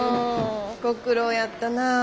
ご苦労やったな。